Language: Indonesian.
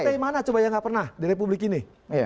partai mana coba yang tidak pernah di republik ini